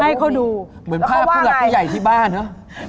ให้เขาดูเหมือนภาพคุยกับผู้ใหญ่ที่บ้านเหรอ